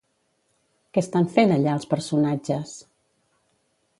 Què estan fent allà els personatges?